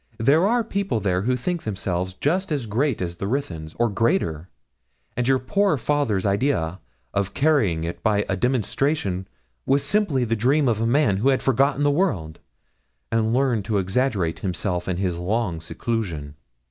There are people there who think themselves just as great as the Ruthyns, or greater; and your poor father's idea of carrying it by a demonstration was simply the dream of a man who had forgotten the world, and learned to exaggerate himself in his long seclusion.